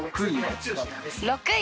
６位？